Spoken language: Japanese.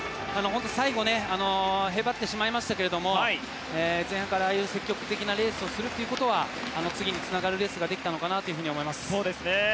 最後はへばってしまいましたが前半から積極的なレースをするということは次につながるレースができたのかなと思います。